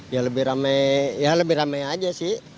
ya lebih rame ya lebih rame aja sih